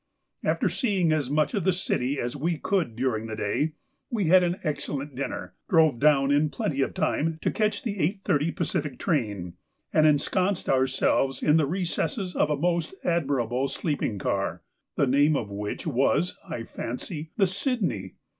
After seeing as much of the city as we could during the day, we had an excellent dinner, drove down in plenty of time to catch the 8.30 Pacific train, and ensconced ourselves in the recesses of a most admirable sleeping car, the name of which was, I fancy, the 'Sydney.